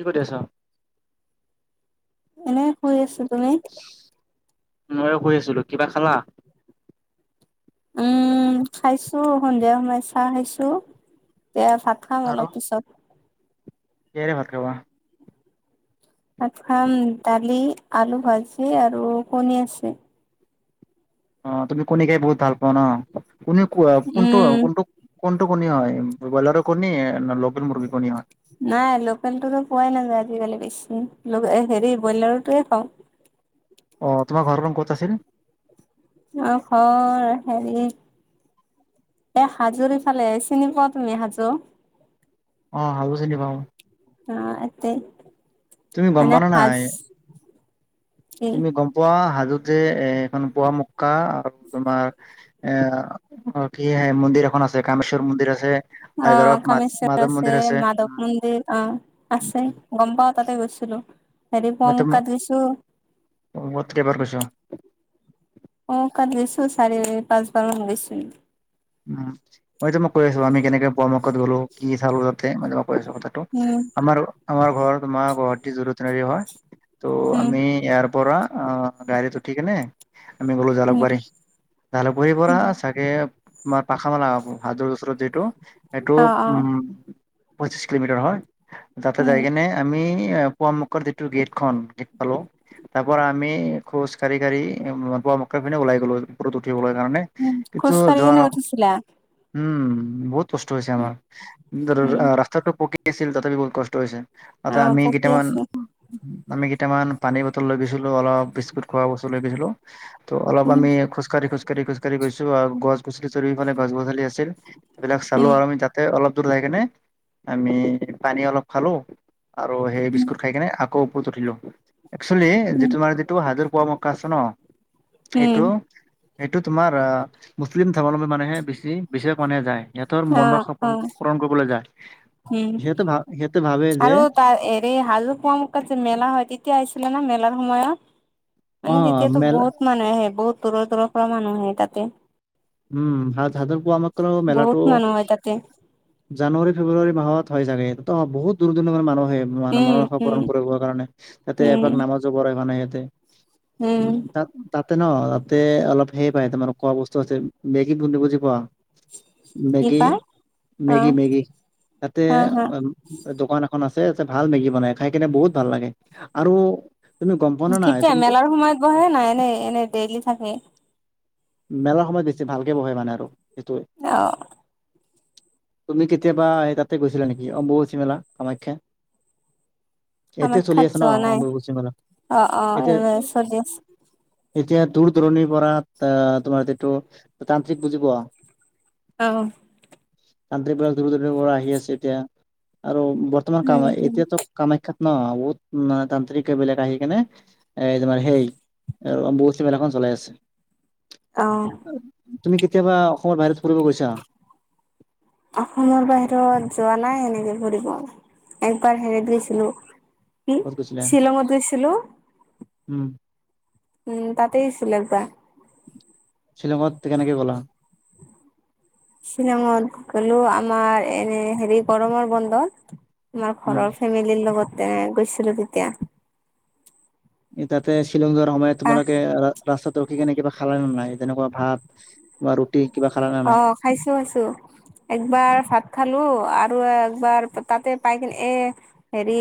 কি কৰি আছা? এনে শুই আছো। তুমি? মইও শুই আছিলোঁ, কিবা খালা? উম খাইছোঁ। সন্ধিয়া সময়ত চাহ খাইছোঁ। এতিয়া ভাত খাম আৰু অলপ পিছত। কিহেৰে ভাত খাবা? ভাত খাম, দালি, আলু ভাজি, আৰু কণী আছে। অ তুমি কণী খাই বহুত ভাল পোৱা ন'? কুনি কোনটো উম কোনটো কোনটো কণী হয়? ব্ৰইলাৰৰ কণী নে লোকেল মুৰ্গীৰ কণী হয়? নাই লোকেলটোতো পোৱাই নাযায় আজিকালি বেছি, হেৰি ব্ৰইলাৰৰ টোয়ে খাওঁ। অ তোমাৰ ঘৰখন ক'ত আছিল? অ ঘৰ হেৰি এ হাজোৰ ইফালে। চিনি পোৱা তুমি হাজো? অ হাজো চিনি পাওঁ। অ এতে তুমি গম মানে পোৱা নে হাজ নাই? কি তুমি গম পোৱা হাজোত যে এখন পোৱা মক্কা আৰু তোমাৰ এ অ কি এ মন্দিৰ এখন আছে কামেশ্বৰ মন্দিৰ আছে, অ টাইগাৰ অফ মা কামেশ্বৰ মাধৱ মন্দিৰ আছে, মাধৱ মন্দিৰ অ আছে, গম পাওঁ তাতে গৈছিলোঁ। হেৰি পোৱা মই মক্কাত গৈছোঁ, [unintelligible] কেইবাৰ গৈছ? পোৱা মক্কাত গৈছোঁ, চাৰি-পাঁচ বাৰমান গৈছোঁ। উম মই তোমাক কৈ আছোঁ আমি কেনেকে পোৱা মক্কাত গ'লো? কি চালোঁ তাতে? মানে কৈ আছোঁ কথাটো, উম আমাৰ আমাৰ ঘৰ তোমাৰ গুৱাহাটী জু ৰোড তিনিআলি হয়। ত' উম আমি ইয়াৰ পৰা গাড়ীত উঠি কেনে আমি গ'লো উম জালুকবাৰী জালুকবাৰীৰ পৰা উম চাগে তোমাৰ [unintelligible] হাজোৰ ওচৰত যিহেতু সেইটো অ অ পঁচিছ কিলোমিটাৰ হয়। তাতে উম যায় কিনে আমি পুৱা মক্কাৰ যিটো গেটখন, গেট পালোঁ। তাৰ পৰা আমি খোজ কাঢ়ি কাঢ়ি পোৱা মক্কাৰ পিনে ওলাই গ'লো ওপৰত উঠিবলৈ কাৰণে। উম কিন্তু খোজ কাঢ়ি যোৱাৰ কেনে উঠিছিলা? উম বহুত কষ্ট হৈছে উম আমাৰ। উম ৰাস্তাটো পকি আছিল তথাপি বহুত কষ্ট হৈছে। অ তাতে আমি পকি কেইটামান, আছে আমি কেইটামান পানী বটল লৈ গৈছিলো অলপ বিস্কুট খোৱা বস্তু লৈ গৈছিলো। ত' অলপ উম আমি খোজকাঢ়ি খোজকাঢ়ি খোজকাঢ়ি গৈছোঁ আৰু গছ গছ চৰি ফালে গছ গছলি আছিল, সেইবিলাক উম চালো আৰু আমি যাতে অলপ দূৰ লাই কেনে আমি পানী অলপ খালোঁ আৰু সেই বিস্কুট খাই কিনে আকৌ ওপৰত উঠিলোঁ। একচুৱেলি যিটো উম তোমাৰ যিটো হাজোৰ পোৱা মক্কা আছে ন উম সেইটো এইটো তোমাৰ আ মুছলিম ধৰ্মাৱল্বী মানুহে বেছি বেছি মানে যায়। সিহঁতৰ অ মন ৰক্ষা অ পূৰণ পূৰণ কৰিবলৈ যায়, সিহতে ভা সিহতে ভাবে যে এৰে হাজো পোৱা মক্কাত যে মেলা হয় তেতিয়া আহিছিলে না মেলাৰ সময়ত? অ মানে তেতিয়াতো মেলা বহুত মানুহ আহে, বহুত দূৰৰ দূৰৰ পৰা মানুহ আহে তাতে। উম, হাজ হাজোৰ পোৱা মত্ৰ বহুত মেলাটো মানুহ হয় তাতে জানুৱাৰী, ফেব্ৰুৱাৰী মাহত হয় চাগে? ত বহু দূৰ দূৰৰ মানুহ আহে। মানে মন উম ৰক্ষা পুৰণ উম কৰিবৰ কাৰণে তাতে এপাক উম নামাজো পঢ়ে মানে সিহঁতে। উম, তাত তাতে ন', তাতে অলপ সেই পাই তোমাৰ খোৱা বস্তু আছে মেগী [unintelligible] বুজি পোৱা? কি মেগী, পাই অ মেগী, মেগী তাতে হা হা আম দোকান এখন আছে তাতে ভাল মেগী বনাই, খাই কেনে বহুত ভাল লাগে আৰু তুমি গম পোৱা নে নাই কেতিয়া তুমিতো মেলাৰ সময়ত বহে নাই এনে এনেই ডেইলি থাকে? মেলাৰ সময়ত বেছি ভালকে বহে মানে আৰু সেইটোৱে। অঁ। তুমি কেতিয়াবা এই তাতে গৈছিলা নেকি অম্বুবাচী মেলা কামাখ্যা? এতিয়া চলি কামাখ্যাত আছে ন যোৱা নাই অম্বুবাচি মেলা? অ অ এতিয়া এইবাৰ চলি আছে এতিয়া দূৰ দূৰণিৰ পৰা তা তোমাৰ যিটো তান্ত্ৰিক বুজি পোৱা? অ। তান্ত্ৰিকবিলাক দূৰ দূৰনিৰ পৰা আহি আছে এতিয়া আৰু বৰ্তমান কামা উম এতিয়াতো কামাখ্যাত ন, বহুত ন তান্ত্ৰিকবিলাক আহি কেনে এ তোমাৰ সেই এৰ অম্বোবাচি মেলাখন চলাই আছে। অ তুমি কেতিয়াবা অসমৰ বাহিৰত ফুৰিব গৈছা? অসমৰ বাহিৰত যোৱা নাই এনেকে ঘূৰিব? একবাৰ হেৰিত গৈছিলো, কি ক'ত গৈছিলা শ্বিলঙত গৈছিলো। উম। উম, তাতে [unintelligible] শ্বিলংঙত কেনেকে গলা? শ্বিলঙত গ'লো আমাৰ এনে হেৰি গৰমৰ বন্ধত, আমাৰ উম ঘৰৰ ফেমিলিৰ লগতে গৈছিলো তেতিয়া। ই তাতে শ্বিলং যোৱাৰ সময়ত আহ তোমালোকে ৰা ৰাস্তাত ৰখি কেনে কিবা খালা নে নাই তেনেকুৱা ভাত বা ৰুটি কিবা খালা না নাই? খাইছোঁ আছোঁ। একবাৰ ভাত খালো আৰু একবাৰ পা তাতে পাই কিনে এ হেৰি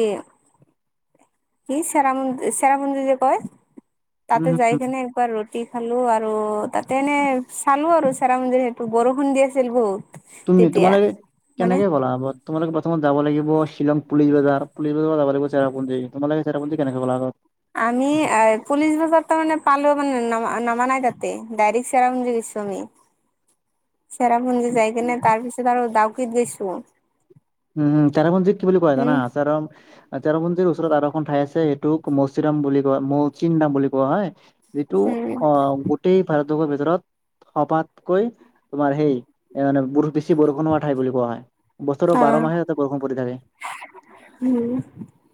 কি চেৰা পুন চেৰাপুঞ্জী যে কয় তাতে উম যায়কিনে কোৱা ৰুটি খালো আৰু তাতে এনে চালো আৰু চেৰাপুঞ্জীৰ সেইটো বৰষুণ দি আছিল বহুত। তুমি তেতিয়া তোমালোকে মানে কেনেকে ক'লা আবত? তোমালোকে প্ৰথমত যাব লাগিব শ্বিলং পুলিচ বজাৰ, পুলিচ বজাৰৰ যাব লাগিব চেৰাপুঞ্জী, তোমালোকে চেৰাপুঞ্জী কেনেকা গলা আগত? আমি আ পুলিচ বজাৰ ত মানে পালো মানে নমা নমা নাই তাতে ডাইৰেক্ট চেৰাপুঞ্জী গৈছোঁ আমি। [inaudible] চেৰাপুঞ্জী যায় কিনে তাৰ পিছত আৰু দাউকিত গৈছো। উম চেৰাপুঞ্জীক কি বুলি কোৱা হয় জানা উম আচাৰম চেৰাপুঞ্জীৰ ওচৰত আৰু এখন ঠাই আছে সেইটোক মৌচিৰাম বুলি কোৱা মৌচিনৰাম বুলি কোৱা হয়। যিটো উম অহ গোটেই ভাৰতবৰ্ষৰ ভিতৰত সবাতকৈ তোমাৰ সেই এ মানে ব বেছি বৰষুণ হোৱা ঠাই বুলি কোৱা হয়। অ বাৰমাহে ইয়াতে বৰষুণ পৰি থাকে। উম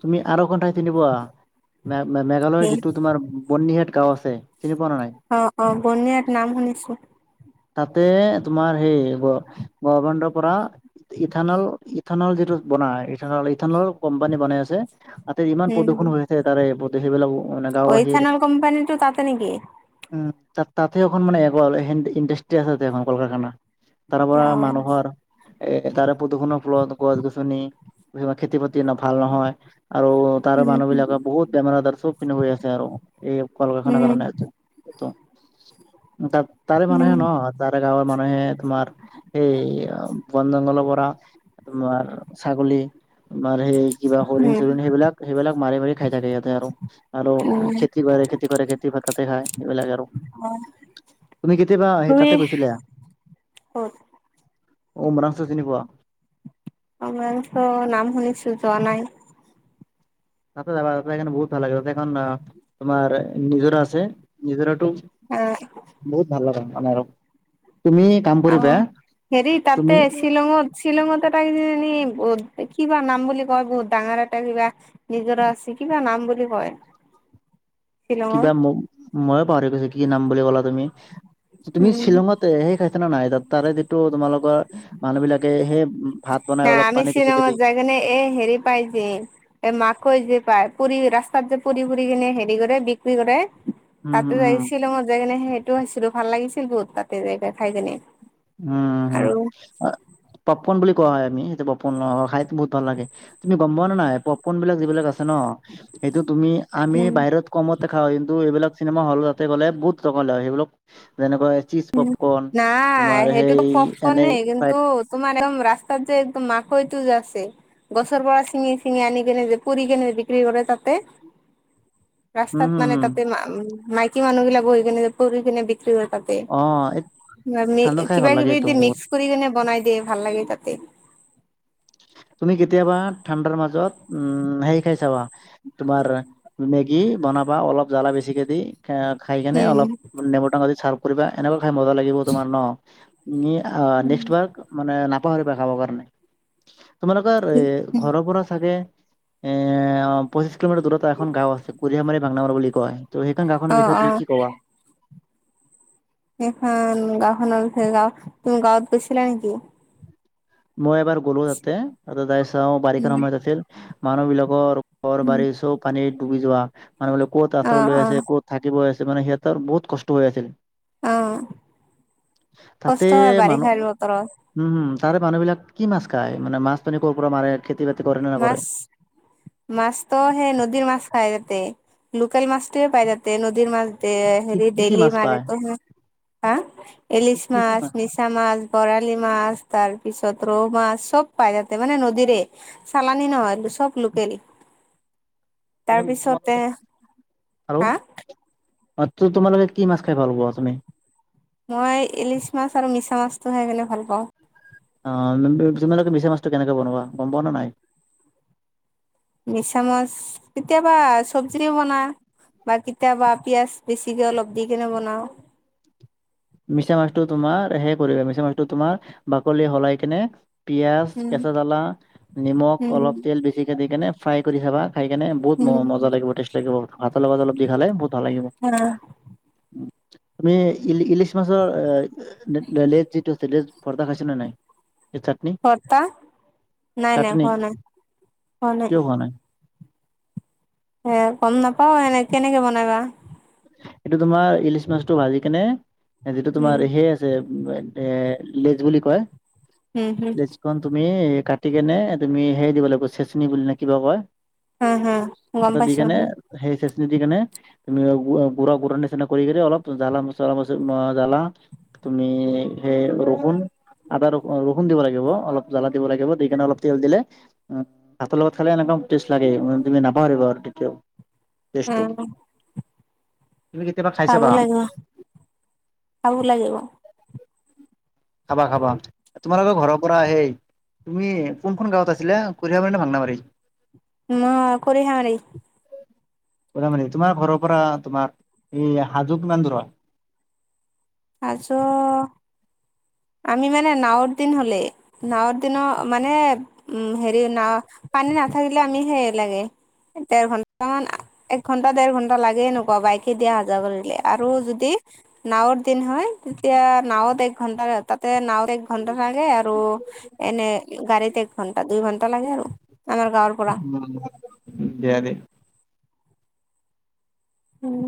তুমি আৰঘণ্টাই চিনি পোৱা মে মে মেঘালয়ৰ যিটো তোমাৰ বৰ্নিহাট গাঁও আছে। চিনি পোৱা নে নাই অ অ বৰ্নিহাট নাম শুনিছো। তাতে তোমাৰ সেই গ গভমেণ্টৰ পৰা ইথানল ইথানল যিটো বনাই ইথানল ইথানল কোম্পানী বনাই আছে তাতে ইমান উম হম প্ৰদূষণ হৈ আছে তাৰে প্ৰতেষিবিলাকো মানে অ গাঁওবাসীৰ ইথানল কোম্পানীটো তাতে নেকি উম তাত তাতে এখন মানে এগল এহ ইণ্ডাষ্ট্ৰি আছে এখন কল কাৰখানা। তাৰ পৰা অ মানুহৰ এ তাৰে প্ৰদূষণক ফলত গছ গছনি তেনেকোৱা খেতি বাতি ভাল নহয় আৰু তাৰে উম মানুহ বিলাকৰ বহুত বেমাৰ আজাৰ চবপিনে হৈ আছে আৰু এই কল কাৰখানাৰ উম কাৰণে হৈছে। তাকেতো তাৰ তাৰে উম মানুহে ন তাৰে গাঁৱৰ মানুহে তোমাৰ সেই বন জংঘলৰ পৰা তোমাৰ ছাগলী তোমাৰ সেই কিবা হৰিণ উম চৰিণ সেইবিলাক সেইবিলাক মাৰি মাৰি খাই থাকে সিহঁতে আৰু। আৰু উম খেতি কৰে খেতি কৰে খেতি ভাত কাতি খায় এইবিলাক আৰু। অ তুমি কেতিয়াবা সেই তাতে গৈছিলা? ক'ত উমৰাংছু চিনি পোৱা? উমৰাংছু নাম শুনিছো যোৱা নাই। তাতে যাবা তাতে কিন্তু বহুত ভাল লাগে তাতে এখন অ তোমাৰ নিজৰা আছে নিজৰাতো অ বহুত ভাল লগা আমাৰো তুমি কাম অ কৰিবা হেৰি তুমি তাতে শ্বিলঙত শ্বিলঙতে তাই কিজানি বহুত কিবা নাম বুলি কয় বহুত ডাঙৰ এটা কিবা নিজৰা আছে কিবা নাম বুলি কয়। [inaudible] শ্বিলঙৰ কিবা ম ময়ে পাহৰি গৈছো কি নাম বুলি ক'লা তুমি, তুমি উম শ্বিলঙত সেই খাইছা না নাই তাত তাৰে যিটো তোমালোকৰ মানুহবিলাকে সেই ভাত বনাই না অলপ আমি পানী বেছিকে দি শ্বিলঙত যাই সেইকাৰণে এ হেৰি পাই যে এ মাখৈ যে পায় পুৰি ৰাস্তাত যে পুৰি পুৰি কেনে হে ৰি কৰে বিক্ৰী কৰে উম তাতে হম যাই হম শ্বিলঙত যাই কেনে সেই টো আহিছিলো ভাল লাগিছিল বহুত তাতে যাই কে খাই কেনে। উম উম উম পপকন বুলি কোৱা হয় আমি সেইটো পপকন অ অ খাই বহুত ভাল লাগে। তুমি গম পোৱা নে নাই পপকন বিলাক যিবিলাক আছে ন সেইটো তুমি আমি উম বাহিৰত কমতে খোৱা হয় কিন্তু এইবিলাক চিনেমা হলত তাতে গ'লে বহুত টকা লয় সেইবিলাক যেনেকৈ চিপজ পপকন পায় সেইটোতো পপকনে কিন্তু ফ্ৰাইড তোমাৰ একদম ৰাস্তাত যে একদম মাকৈটো যে আছে গছৰ পৰা ছিঙি ছিঙি আনি কেনে যে পুৰি কেনে বিক্ৰী কৰে তাতে। [inaudible] ৰাস্তাত মানে হম তাতে মা, মাইকী মানুহবিলাকো সেইকাৰণেই [unintelligible] কেনে বিক্ৰী কৰে তাতে। অ', এ মামি কিবা কিবি দি মিক্স কৰি কেনে বনাই দিয়ে, ভাল লাগে তাতে। তুমি কেতিয়াবা ঠাণ্ডাৰ মাজত, উম হেৰি খাই চাবা তোমাৰ, মেগী বনাবা অলপ জ্বালা বেছিকে দি এয়া খাই কেনে উম অলপ নেমু টেঙা দি চাৰ্ফ কৰিবা, এনেকুৱা খাই মজা লাগিব তোমাৰ ন। তুমি আহ নেক্সবাৰ মানে নাপাহৰিবা খাবৰ কাৰণে। তোমালোকৰ এ ঘৰৰ পৰা চাগে এ অ', পঁচিশ কিলোমিটাৰ দূৰত এখন গাঁও আছে, কুৰহিয়ামাৰী ভাংনামাৰি বুলি কয়। ত সেইখন অ গাওঁখনৰ বিষয়ে অ তুমি কি কবা? এইখন গাওঁখনৰ বিষয়ে, গাওঁ তুমি গাঁৱত গৈছিলা নেকি? মই এবাৰ গ'লো তাতে, তাতে যাই চাওঁ, বাৰিষাৰ উম, সময়ত আছিল মানুহ বিলাকৰ ঘৰ উম, বাৰী চব পানীত ডুবি যোৱা, মানুহ বিলাক ক'ত অ আস্ৰাই লৈ অ আছে, কত থাকিব আছে মানে সিহঁতৰ বহুত কষ্ট হৈ আছিল। অ', তাতে কষ্ট হয় মানুহ বাৰীষাৰ বতৰত। উম, তাৰে মানুহ বিলাক কি মাছ খায়, মানে মাছ পানি ক'ৰ পৰা মাৰে। খেতি বাতি কৰে ন? মাছ মাছতো সেই নদীৰ মাছ খাই যাতে, লোকেল মাছতটোয়ে পাই যাতে নদীৰ মাছ কি হেৰি কি কি ডেইলি মাছ পায় [unintelligible] হা, কি এলিছ কি কি মাছ কেচা মাছ, বৰালি মাছ, তাৰপিছত ৰৌ মাছ চব পায় তাতে মানে নদীৰে চালানি নহয়তো চব লোকেল। তোমাৰ তাৰপিছতে, তোমালোকে হা? [unintelligible] তোমালোকে কি মাছ খাই ভাল পোৱা, তুমি? মই ইলিচ মাছ আৰু মিছা মাছটো খাই কিনে ভাল পাওঁ। অ', তোমালোকে মিছা মাছটো কেনেকে বনোৱা, গম পোৱা নে নাই? মিচা মাছ, কেতিয়াবা চব্জিৰে বনা বা কেতিয়াবা পিঁযাজ বেছিকে অলপ দি কেনে বনাওঁ। মিছা মাছটো তোমাৰ সেই কৰিবা, মিছা মাছটো তোমাৰ বাকলি সলাই কিনে পিয়াঁজ, উম কেঁচা জ্বালা, নিমখ উম অলপ তেল, বেছিকে দি কেনে ফ্ৰাই কৰি চাবা। খাই কেনে বহুত উম ম মজা লাগিব টেষ্ট লাগিব, ভাতৰ লগ অলপ দি খালে বহুত ভাল লাগিব। আহ তুমি ইল ইলিছ মাছৰ [unintelligible] যিটো [unintelligible] পৰদা খাইছা না নাই? এই চাটনি, ভৰ্তা নাই নাই চাটনি, হোৱা নাই কিয় খোৱা নাই? এ গম নাপাওঁ, এনে কেনেকে বনাই বা। এইটো তোমাৰ ইলিচ মাছটো ভাজি কেনে, হেৰিটো উম তোমাৰ সেই আ যে এ লেজ বুলি কয়। উম হম। ন তুমি কাটি কেনে তুমি হেৰি দিব লাগিব, চেচনি বুলি নে কিবা কয়। হম হম গম তাতে দি পাইছো কিণে সেই চেচিনি দি কিণে, তুমি গুড় গুড়ৰ নিচিনা কৰি, কৰি কিনে অলপ জ্বালা মচালা [unintelligible] জ্বালা তুমি সেই ৰহুন আদা ৰচু ৰহুণ দিব লাগিব, অলপ জ্বলা দিব লাগিব দি কেনে অলপ তেল দিলে ও ভাতৰ লগত খালে এনেকুৱা টেষ্ট লাগে তুমি নাপাহৰিবা আৰু, কেতিয়াও টেষ্ট টো। উম চাব চাবা লাগিব, চাব লাগিব। খাবা খাবা তোমালোকৰ ঘৰৰ পৰা আহেই তুমি কোনখন গাঁৱত আছিলা কৈৰাবাৰী নে ভাংনাবাৰী? মই কৰিহাবাৰী কৈৰাবাৰী তোমাৰ ঘৰৰ পৰা তোমাৰ এই হাজো কিমান দূৰ হয়? হাজো আমি মানে নাৱৰ দিন হলে নাৱৰ দিনত মানে উম, হেৰি নাও পানী নাথাকিলে আমি সেই লাগে দেৰ ঘনটা মান এক ঘণ্টা, দেৰ ঘন্টা লাগে এনেকুৱা বাইকে দিয়া আহা জোৱা কৰিলে আৰু যদি নাৱত দিন হয়, তেতিয়া নাৱত এক ঘন্টা তাতে নাৱত এক ঘন্টা লাগে আৰু এনে গাড়ীত এক ঘণ্টা দুই ঘন্টা লাগে আৰু আমাৰ গাঁৱৰ পৰা। উম, দিয়া দে উম,